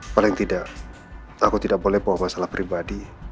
paling tidak aku tidak boleh bawa masalah pribadi